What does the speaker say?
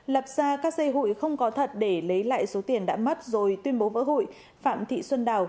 lập ra các dây hụi không có thật để lấy lại số tiền đã mất rồi tuyên bố vỡ hụi phạm thị xuân đào